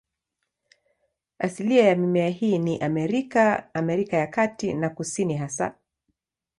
Asilia ya mimea hii ni Amerika, Amerika ya Kati na ya Kusini hasa.